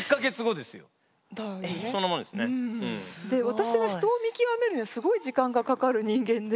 私が人を見極めるのにすごい時間がかかる人間で。